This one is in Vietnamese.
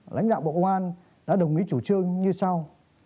lãnh đạo bộ ngoan đã đồng ý chủ trương như sau